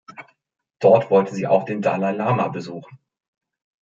Dort wollte sie auch den Dalai Lama besuchen.